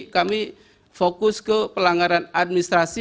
kami fokus ke pelanggaran administrasi